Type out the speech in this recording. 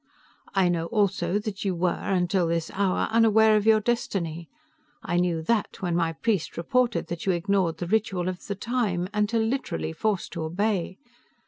I know also that you were, until this hour, unaware of your destiny. I knew that when my priest reported that you ignored the Ritual Of The Time, until literally forced to obey.